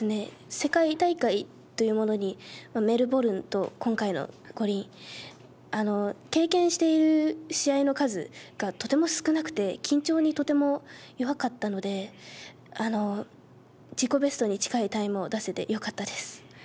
世界大会というものに、メルボルンと今回の五輪、経験している試合の数がとても少なくて、緊張にとても弱かったので、自己ベストに近いタイムを出せてよかったです。